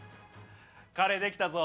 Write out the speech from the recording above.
カレーできたぞ。